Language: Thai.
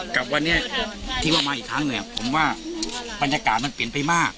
กับวันนี้ที่ว่ามาอีกครั้งเนี่ยผมว่าบรรยากาศมันเปลี่ยนไปมาก